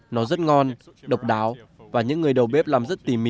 nó rất ngon độc đáo và những người đầu bếp làm rất tỉ mỉ